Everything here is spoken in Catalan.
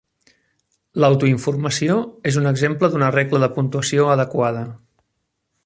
L'autoinformació és un exemple d'una regla de puntuació adequada.